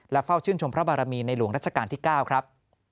เฝ้าชื่นชมพระบารมีในหลวงรัชกาลที่๙ครับ